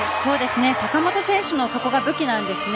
坂本選手はそこが武器なんですね。